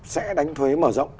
sẽ đánh thuế mở rộng